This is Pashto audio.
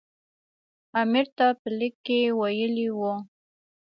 امیر ته په لیک کې ویلي وو.